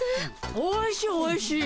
おいしいおいしい。